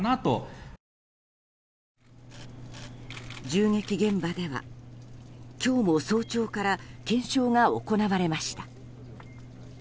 銃撃現場では今日も早朝から検証が行われました。